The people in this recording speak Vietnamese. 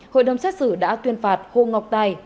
hội đồng xét xử đã tuyên phạt hồ ngọc tài